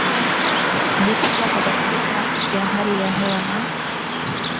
vitendo wa mabadiliko ya hali ya hewa na